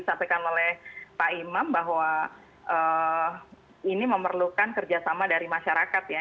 sampaikan oleh pak imam bahwa ini memerlukan kerjasama dari masyarakat ya